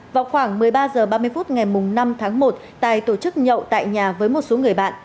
vào khoảng một mươi ba h ba mươi phút ngày năm tháng một tài tổ chức nhậu tại nhà với một số người bạn